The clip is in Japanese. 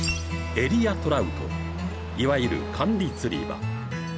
エリアトラウトいわゆる管理釣り場